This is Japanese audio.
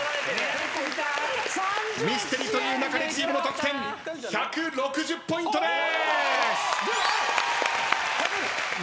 ミステリと言う勿れチームの得点１６０ポイントです！